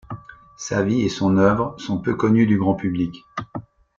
Sa vie et son œuvre sont peu connues du grand public.